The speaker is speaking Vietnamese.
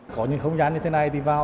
có những không gian như thế này đi vào